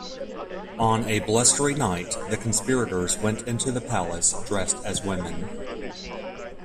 On a blustery night, the conspirators went into the palace dressed as women.